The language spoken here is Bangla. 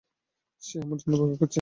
সে আমার জন্য অপেক্ষা করছে!